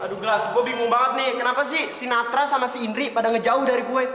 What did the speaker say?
aduh gelas gue bingung banget nih kenapa sih si natra sama si indri pada ngejauh dari gue